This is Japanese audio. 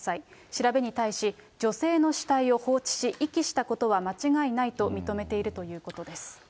調べに対し、女性の死体を放置し、遺棄したことは間違いないと認めているということです。